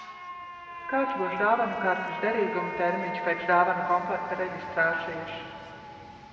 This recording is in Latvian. Kāds būs dāvanu kartes derīguma termiņš pēc dāvanu komplekta reģistrācijas?